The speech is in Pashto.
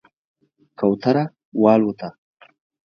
کوتره والوته